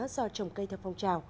do trồng cây theo phong trào